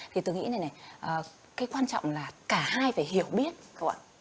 thì tôi nghĩ này này cái quan trọng là cả hai phải hiểu biết các bạn ạ